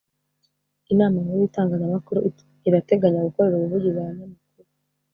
Inama Nkuru y’Itangazamakuru irateganya gukorera ubuvugizi abanyamakuru